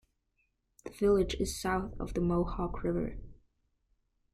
The village is south of the Mohawk River.